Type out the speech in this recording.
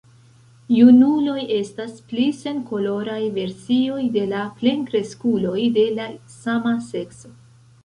Junuloj estas pli senkoloraj versioj de la plenkreskuloj de la sama sekso.